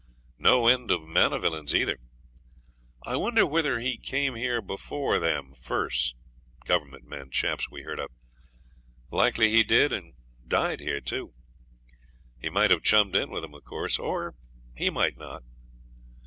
No end of manavilins either. I wonder whether he come here before them first Government men chaps we heard of. Likely he did and died here too. He might have chummed in with them, of course, or he might not.